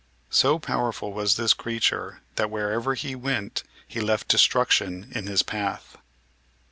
So powerful was this creature that wherever he went he left destruction in his path.